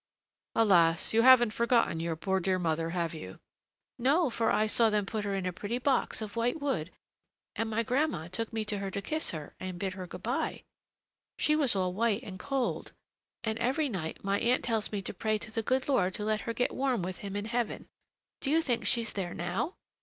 "Alas! you haven't forgotten your poor dear mother, have you?" "No, for I saw them put her in a pretty box of white wood, and my grandma took me to her to kiss her and bid her good by! She was all white and cold, and every night my aunt tells me to pray to the good Lord to let her get warm with Him in heaven. Do you think she's there now?"